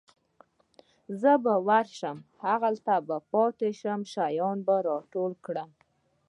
زه به ورشم هغه پاتې شوي شیان به راټول کړم.